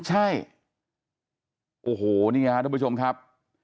ใช่โอ้โหเนี่ยทุกผู้ชมครับ